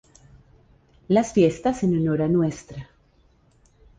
Las fiestas en honor a Ntra.